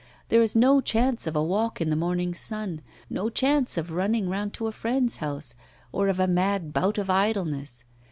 There is no chance of a walk in the morning's sun, no chance of running round to a friend's house, or of a mad bout of idleness!